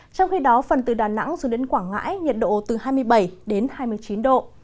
trong khi đó phần từ đà nẵng xuống đến quảng ngãi nhiệt độ từ hai mươi bảy đến hai mươi chín độ